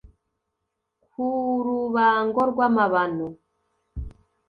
Ku rubango rw’amabano